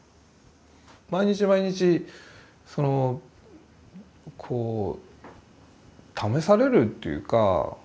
毎日毎日そのこう試されるというか。